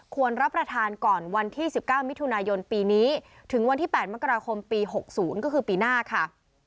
รับประทานก่อนวันที่๑๙มิถุนายนปีนี้ถึงวันที่๘มกราคมปี๖๐ก็คือปีหน้าค่ะ